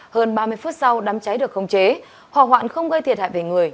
hơn ba mươi phút sau đám cháy được khống chế hỏa hoạn không gây thiệt hại về người